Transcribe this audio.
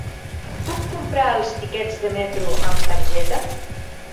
Puc comprar els tiquets de metro amb targeta?